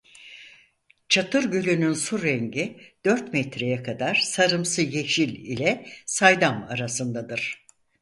Çatır Gölü'nün su rengi dört metreye kadar sarımsı-yeşil ile saydam arasındadır.